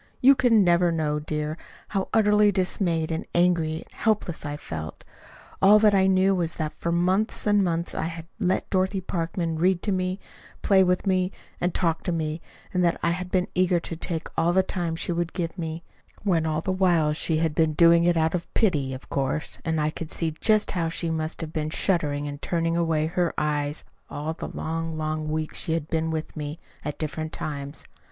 You can never know, dear, how utterly dismayed and angry and helpless I felt. All that I knew was that for months and months I had let Dorothy Parkman read to me, play with me, and talk to me that I had been eager to take all the time she would give me; when all the while she had been doing it out of pity, of course, and I could see just how she must have been shuddering and turning away her eyes all the long, long weeks she had been with me, at different times.